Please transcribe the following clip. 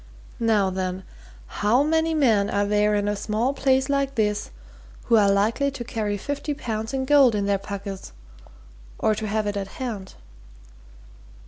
Now then how many men are there in a small place like this who are likely to carry fifty pounds in gold in their pockets, or to have it at hand?"